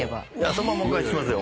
そのまんまお返ししますよ。